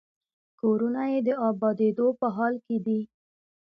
کورونه یې د ابادېدو په حال کې دي.